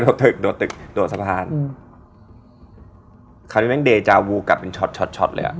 ชาวนี้แม่งเดจาวูกลับเป็นชอตเลยอะ